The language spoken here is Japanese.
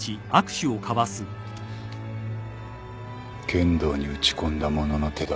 剣道に打ち込んだ者の手だ。